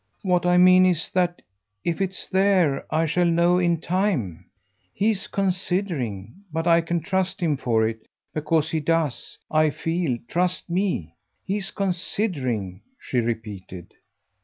"What I mean is that if it's there I shall know in time. He's considering, but I can trust him for it because he does, I feel, trust me. He's considering," she repeated.